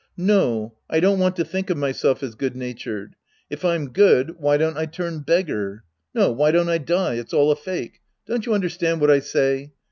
No, I don't want to think of myself as good natured. If I'm good, why don't I turn beggar? No, why don't I die ? It's all a fake. Don't you understand what I say